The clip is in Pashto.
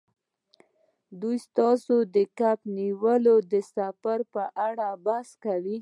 دوی ستاسو د کب نیولو د سفر په اړه بحث کوي